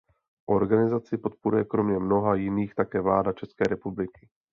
Organizaci podporuje kromě mnoha jiných také vláda České republiky.